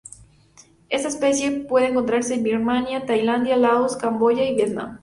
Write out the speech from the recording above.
Esta especie puede encontrarse en Birmania, Tailandia, Laos, Camboya y Vietnam.